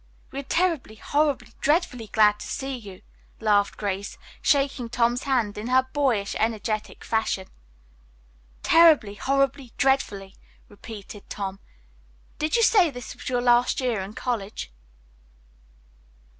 "We are terribly, horribly, dreadfully glad to see you!" laughed Grace, shaking Tom's hand in her boyish, energetic fashion. "'Terribly, horribly, dreadfully!'" repeated Tom. "Did you say this was your last year in college?"